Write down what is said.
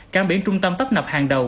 cán biển trung tâm tấp nập hàng đầu